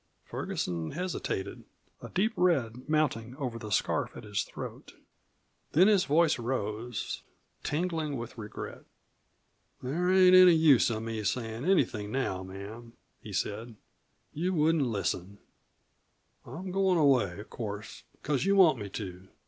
Ferguson hesitated, a deep red mounting over the scarf at his throat. Then his voice rose, tingling with regret. "There ain't any use of me sayin' anything now, ma'am," he said. "You wouldn't listen. I'm goin' away, of course, because you want me to.